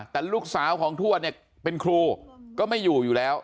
แต่ลูกสาวของทวดเนี่ยเป็นครูก็ไม่อยู่อยู่แล้ว